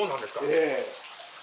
ええ。